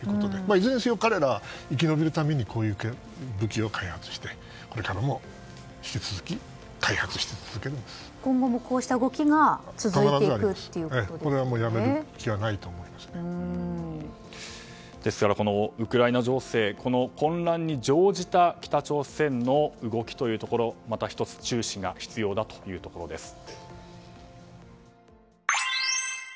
いずれにせよ、彼らが生き延びるためにこういう武器を開発してこれからも引き続き今後もこうした動きがこれをですから、このウクライナ情勢この混乱に乗じた北朝鮮の動きというところまた１つ注視が必要だというところです。